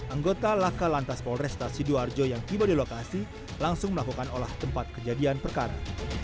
anggota laka lantas polresta sidoarjo yang tiba di lokasi langsung melakukan olah tempat kejadian perkara